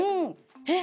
えっ！